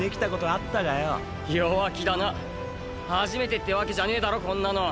弱気だな初めてってわけじゃねぇだろこんなの。